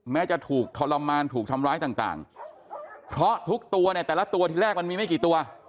จะถูกทรมานถูกทำร้ายต่างเพราะทุกตัวเนี่ยแต่ละตัวที่แรกมันมีไม่กี่ตัว